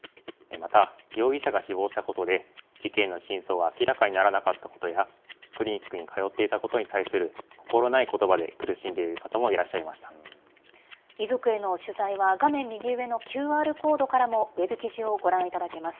また、容疑者が死亡したことで、事件の真相が明らかにならなかったことや、クリニックに通っていたことに対する心ないことばで苦しんでいる遺族への取材は、画面右上のＱＲコードからもウェブ記事をご覧いただけます。